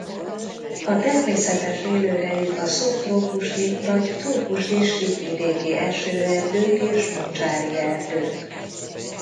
A természetes élőhelyük a szubtrópusi vagy trópusi síkvidéki esőerdők és mocsári erdők.